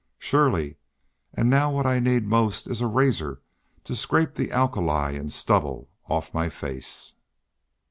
"Surely. And now what I need most is a razor to scrape the alkali and stubble off my face."